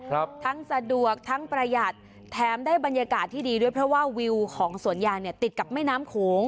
ครับทั้งสะดวกทั้งประหยัดแถมได้บรรยากาศที่ดีด้วยเพราะว่าวิวของสวนยางเนี่ยติดกับแม่น้ำโขง